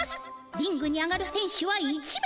リングに上がるせん手は１名。